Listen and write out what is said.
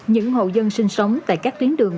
những hậu dân sinh sống tại các tuyến đường